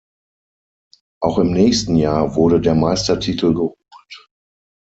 Auch im nächsten Jahr wurde der Meistertitel geholt.